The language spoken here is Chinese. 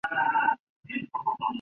东日本桥站浅草线的铁路车站。